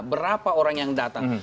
berapa orang yang datang